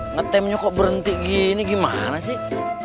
ngetemnya kok berhenti gini gimana sih